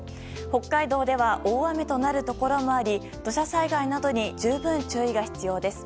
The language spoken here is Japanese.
北海道では大雨となるところもあり土砂災害などに十分注意が必要です。